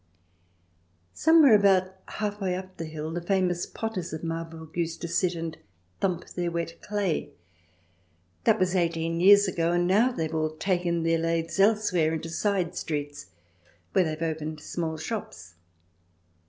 Somewhere about half way up the hill the famous potters of Marburg used to sit and thump their wet clay. That was eighteen years ago, and now they have all taken their lathes elsewhere into side streets, where they have opened small shops.